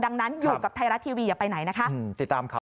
ดังนั้นอยู่กับไทยรัฐทีวีอย่าไปไหนนะคะ